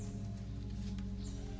pak pak pak